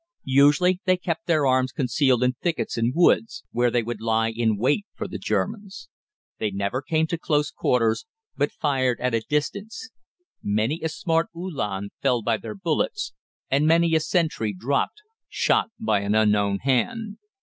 Usually they kept their arms concealed in thickets and woods, where they would lie in wait for the Germans. They never came to close quarters, but fired at a distance. Many a smart Uhlan fell by their bullets, and many a sentry dropped, shot by an unknown hand.